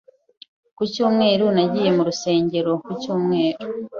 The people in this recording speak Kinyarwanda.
Ku cyumweru, nagiye mu rusengero ku cyumweru.